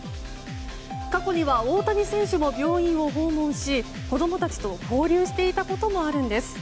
過去には大谷選手も病院を訪問し子供たちと交流していたこともあるんです。